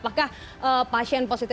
oke seru yaité pate